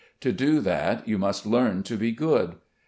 To do that you must learn to be good.